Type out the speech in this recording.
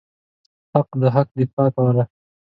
هغه د حق دفاع کوله.